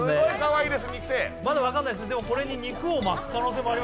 まだ分かんないですよさあ